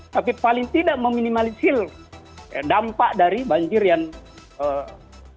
tapi paling tidak meminimalisir dampak dari banjir yang setiap tahun ini